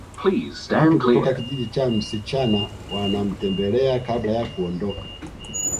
Watu kutoka kijiji cha msichana wanamtembelea kabla ya kuondoka